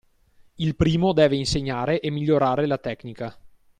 il primo deve insegnare e migliorare la tecnica